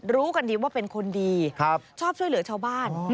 รู้กันดีว่าเป็นคนดีชอบช่วยเหลือชาวบ้าน